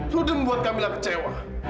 lo udah membuat camilla kecewa